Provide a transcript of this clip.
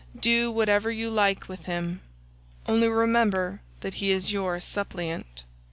Do whatever you like with him, only remember that he is your suppliant."